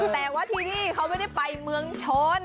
แต่ว่าที่นี่เขาไม่ได้ไปเมืองชน